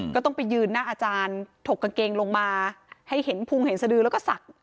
ก็ต้องไปยืนหน้าอาจารย์ถกกางเกงลงมาให้เห็นพุงเห็นสดือแล้วก็ศักดิ์